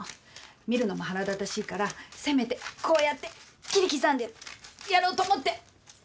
見るのも腹立たしいからせめてこうやって切り刻んでやろうと思って。